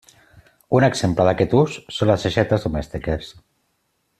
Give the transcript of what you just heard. Un exemple d'aquest ús són les aixetes domèstiques.